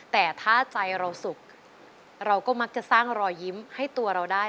แต่ถ้าใจเราสุขเราก็มักจะสร้างรอยยิ้มให้ตัวเราได้